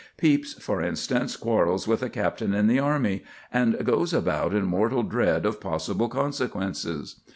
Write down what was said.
Pepys, for instance, quarrels with a captain in the army, and goes about in mortal dread of possible consequences.